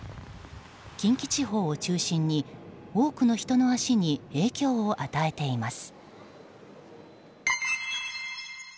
近畿地方を中心に多くの人の足に影響を与えています。